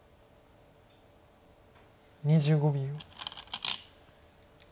２５秒。